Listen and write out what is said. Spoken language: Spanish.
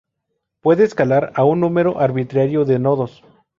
Puede escalar a un número arbitrario de nodos.